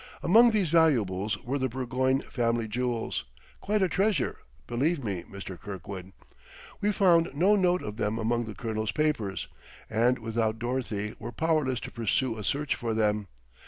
Among these valuables were the Burgoyne family jewels quite a treasure, believe me, Mr. Kirkwood. We found no note of them among the colonel's papers, and without Dorothy were powerless to pursue a search for them.